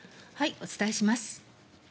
お伝えします。